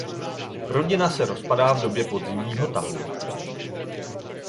Rodina se rozpadá v době podzimního tahu.